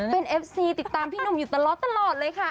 เป็นเอฟซีติดตามพี่หนุ่มอยู่ตลอดเลยค่ะ